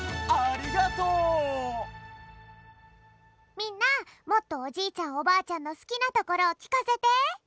みんなもっとおじいちゃんおばあちゃんのすきなところをきかせて！